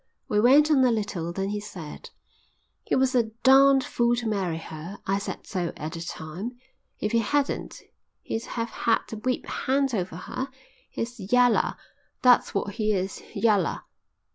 We went on a little. Then he said: "He was a darned fool to marry her. I said so at the time. If he hadn't, he'd have had the whip hand over her. He's yaller, that's what he is, yaller."